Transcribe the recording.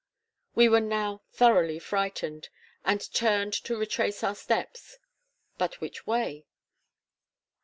We were now thoroughly frightened, and turned to retrace our steps; but which way?